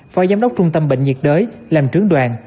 phó giám đốc trung tâm bệnh nhiệt đới làm trưởng đoàn